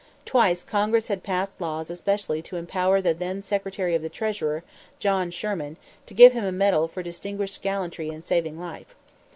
Twice Congress had passed laws especially to empower the then Secretary of the Treasury, John Sherman, to give him a medal for distinguished gallantry in saving life.